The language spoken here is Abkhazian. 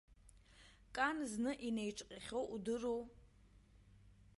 Кан зны инаиҿҟьахьоу удыруоу.